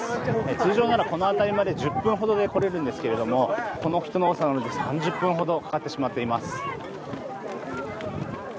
通常ならこの辺りまで１０分ほどで来られるんですけどもこの人の多さで３０分ほどかかってしまっています。